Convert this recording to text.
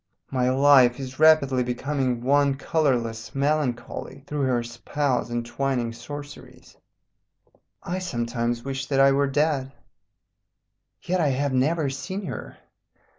My life is rapidly becoming one colourless melancholy through her spells and twining sorceries. I sometimes wish that I were dead. "Yet I have never seen her.